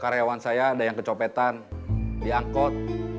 karyawan saya ada yang kecopetan diangkut